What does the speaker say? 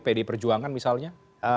pd perjuangan misalnya